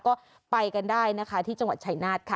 ก็ไปกันได้นะคะที่จังหวัดชายนาฏค่ะ